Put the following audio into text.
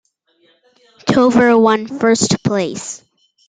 Tovar won first place.